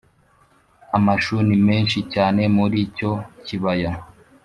Amashu ni menshi cyane muri icyo kibaya